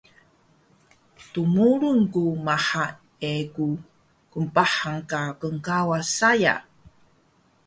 Dmurun ku maha egu knpahan ka knkawas saya